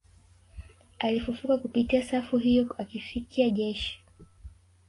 Alifufuka kupitia safu hiyo akifikia jeshi